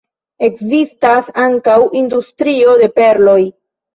Ekzistas ankaŭ industrio de perloj.